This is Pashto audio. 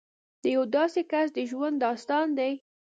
د یو داسې کس د ژوند داستان دی